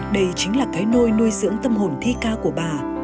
đây chính là cái nôi nuôi dưỡng tâm hồn thi ca của bà